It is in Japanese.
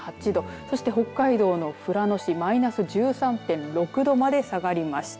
そして北海道の富良野市マイナス１３．６度まで下がりました。